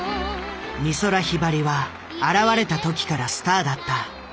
美空ひばりは現れた時からスターだった。